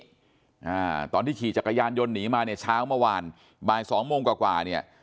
อ่าตอนที่ขี่จักรยานยนต์หนีมาเนี่ยเช้าเมื่อวานบ่ายสองโมงกว่ากว่าเนี่ย